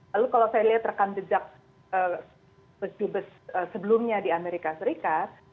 lalu kalau saya lihat rekam jejak dubes sebelumnya di amerika serikat